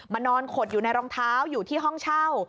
นอนขดอยู่ในรองเท้าอยู่ที่ห้องเช่า